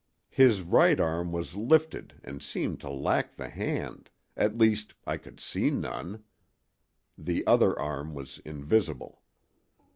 His right arm was lifted and seemed to lack the hand—at least, I could see none. The other arm was invisible.